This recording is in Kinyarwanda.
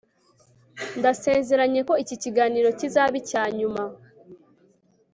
ndasezeranye ko iki kiganiro kizaba icya nyuma